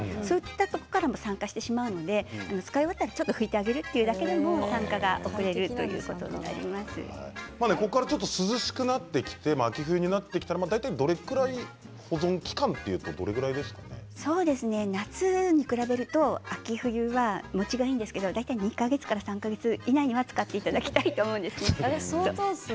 そこからも酸化してしまうので使い終わったら、ちょっと拭いてあげるだけでも酸化が遅れるここから涼しくなって秋冬になったら大体どれくらい保存期間というと夏に比べると秋冬はもちがいいんですけど大体２か月から３か月以内には使っていただきたいと思うんですね。